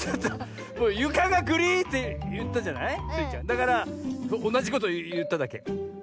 だからおなじこといっただけ。